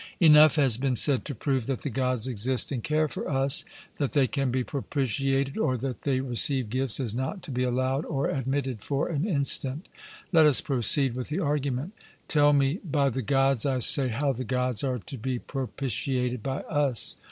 Enough has been said to prove that the Gods exist and care for us; that they can be propitiated, or that they receive gifts, is not to be allowed or admitted for an instant. 'Let us proceed with the argument.' Tell me, by the Gods, I say, how the Gods are to be propitiated by us?